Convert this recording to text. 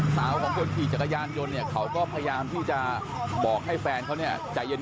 สาวของคนขี่จักรยานยนต์เนี่ยเขาก็พยายามที่จะบอกให้แฟนเขาเนี่ยใจเย็น